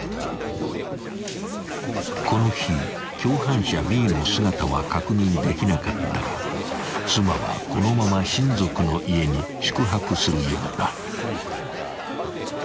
［この日共犯者Ｂの姿は確認できなかったが妻はこのまま親族の家に宿泊するようだ］